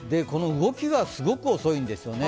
動きがすごく遅いんですよね。